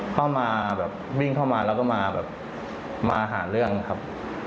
เข้ามาแบบวิ่งเข้ามาแล้วก็มาแบบมาหาเรื่องครับ